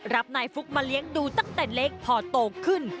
รับนายฟุ๊กมาเลี้ยงดูตั้งแต่เล็กพอโตขึ้น